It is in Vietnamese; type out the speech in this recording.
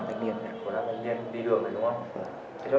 của năm thanh niên đi đường đấy đúng không